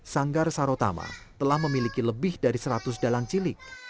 sanggar sarotama telah memiliki lebih dari seratus dalang cilik